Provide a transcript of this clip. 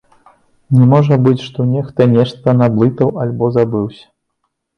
Не можа быць, што нехта нешта наблытаў альбо забыўся.